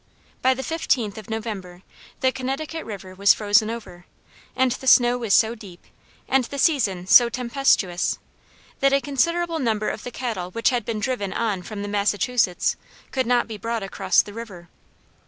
By the 15th of November, the Connecticut river was frozen over, and the snow was so deep, and the season so tempestuous, that a considerable number of the cattle which had been driven on from the Massachusetts, could not be brought across the river.